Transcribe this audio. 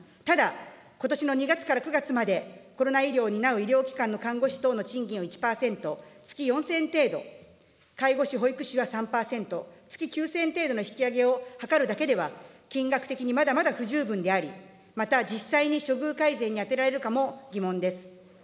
ただ、ことしの２月から９月まで、コロナ医療を担う医療機関の看護師等の賃金を１％、月４０００円程度、介護士、保育士は３％、月９０００円程度の引き上げを図るだけでは、金額的にまだまだ不十分であり、また実際に処遇改善に充てられるかも疑問です。